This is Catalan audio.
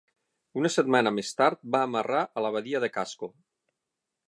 Una setmana més tard va amarrar a la badia de Casco.